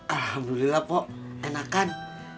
alhamdulillah pok enakan